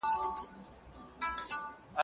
ګاونډی هیواد د چاپیریال ساتنې هوکړه نه ماتوي.